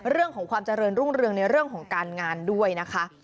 เรื่องของความเจริญรุ่งเรืองในเรื่องของการงานด้วยนะคะ